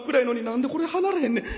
何でこれ離れへんねん。